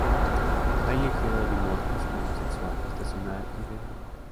Hay ligero dimorfismo sexual, estacional y de edad.